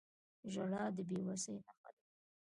• ژړا د بې وسۍ نښه ده.